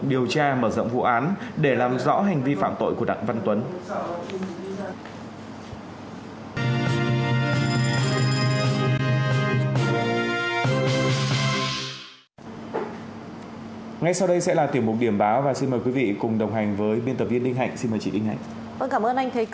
điều tra mở rộng vụ án để làm rõ hành vi phạm tội của đặng văn tuấn